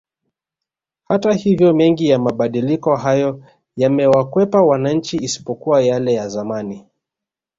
Hata hivyo mengi ya mabadiliko hayo yamewakwepa wananchi isipokuwa yale ya zamani